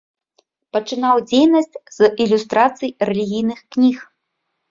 Пачынаў дзейнасць з ілюстрацый рэлігійных кніг.